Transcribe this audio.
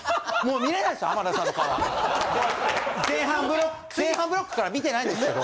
もう見れないです